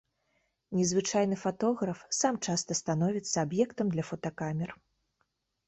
Незвычайны фатограф сам часта становіцца аб'ектам для фотакамер.